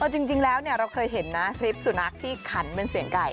จริงแล้วเราเคยเห็นนะคลิปสุนัขที่ขันเป็นเสียงไก่